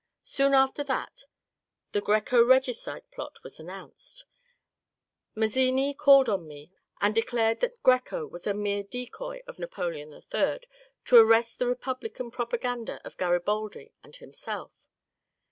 Soon after that the Greco regicide plot was announced. Mazzini called on me and declared that Greco was a mere decoy of Napoleon III to arrest the repub lican propaganda of Garibaldi and himself.